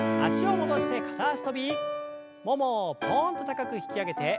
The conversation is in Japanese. ももをぽんと高く引き上げて。